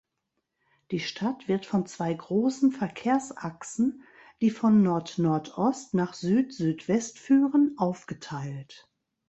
Die Stadt wird von zwei großen Verkehrsachsen, die von Nordnordost nach Südsüdwest führen, aufgeteilt.